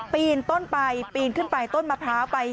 ปีนต้นไปปีนขึ้นไปต้นมะพร้าวไป